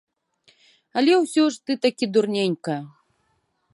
Але ўсё ж ты такі дурненькая.